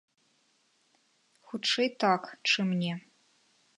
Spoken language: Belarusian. Хутчэй так, чым не.